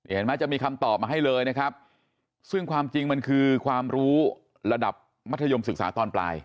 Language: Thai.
เห็นไหมจะมีคำตอบมาให้เลยนะครับซึ่งความจริงมันคือความรู้ระดับมัธยมศึกษาตอนปลาย